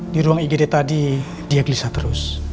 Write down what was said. di ruang igd tadi dia gelisah terus